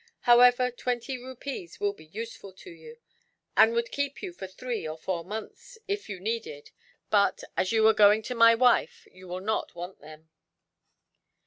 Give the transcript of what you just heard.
However, twenty rupees will be useful to you, and would keep you for three or four months, if you needed but, as you are going to my wife, you will not want them.